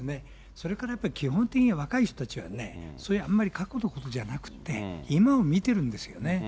それからやっぱり、基本的には若い人たちはね、そういうあんまり、過去のことじゃなくて、今を見てるんですよね。